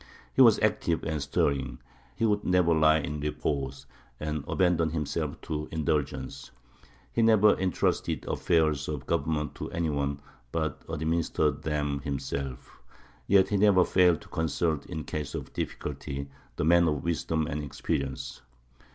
He was active and stirring; he would never lie in repose, or abandon himself to indulgence. He never entrusted the affairs of government to any one, but administered them himself; yet he never failed to consult in cases of difficulty the men of wisdom and experience.